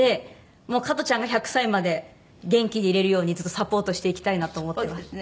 もう加トちゃんが１００歳まで元気でいれるようにずっとサポートしていきたいなと思ってます。